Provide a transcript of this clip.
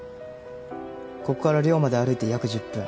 ここから寮まで歩いて約１０分。